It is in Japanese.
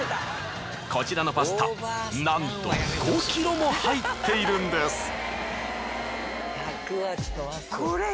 こちらのパスタなんと５ｋｇも入っているんです。